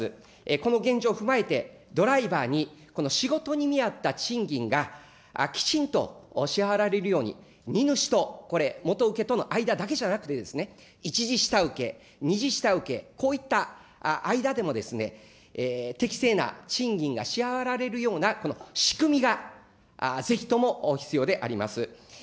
この現状を踏まえて、ドライバーに仕事に見合った賃金がきちんと支払われるように、荷主とこれ、元請けとの間だけじゃなくて、１次下請け、２次下請け、こういった間でも適正な賃金が支払われるような、この仕組みがぜひとも必要であります。